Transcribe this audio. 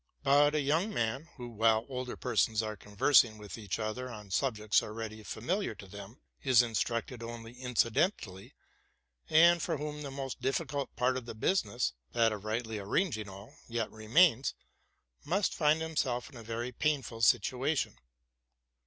But a young man, who, while older persons are conversing with each other on subjects already familiar to them, is in structed only incidentally, and for whom the most difficult part of the business —that of rightly arranging all— yet remains, must find himself in a very painful situation.